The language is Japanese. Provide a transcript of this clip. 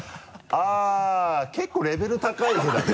あぁ結構レベル高い屁だね。